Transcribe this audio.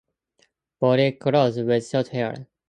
Body clothed with short hair.